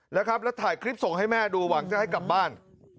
แล้วถ่ายคลิปส่งให้แม่ดูหวังจะให้กลับบ้าน